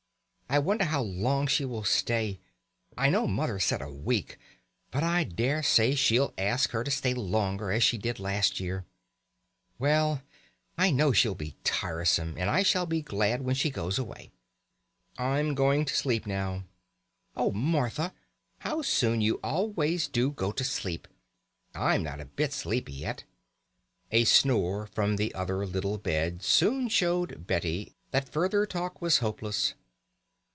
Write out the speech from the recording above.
I wonder how long she will stay. I know Mother said a week, but I dare say she'll ask her to stay longer as she did last year." "Well, I know she'll be tiresome, and I shall be glad when she goes away." "I'm going to sleep now." "Oh, Martha, how soon you always do go to sleep! I'm not a bit sleepy yet." A snore from the other little bed soon showed Betty that further talk was hopeless.